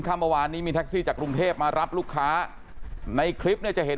ข้ามประวันนี้มีแท็กซี่จากกรุงเทพมารับลูกค้าในคลิปจะเห็น